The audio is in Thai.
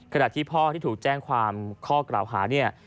ที่พ่อที่ถูกแจ้งความข้อกล่าวหาเนี่ย